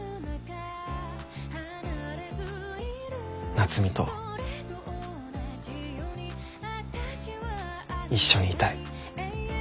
夏海と一緒にいたい。